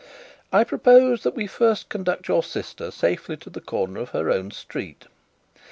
"I propose that we first conduct your sister safely to the corner of her own street.